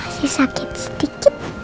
masih sakit sedikit